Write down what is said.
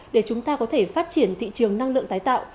để chúng ta có thể phát triển thị trường năng lượng tái tạo